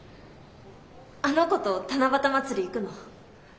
あの子と七夕祭り行くの？